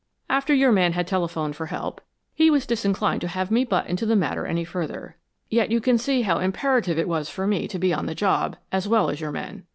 "After your man had telephoned for help he was disinclined to have me butt into the matter any further. Yet, you can see how imperative it was for me to be on the job as well as your men.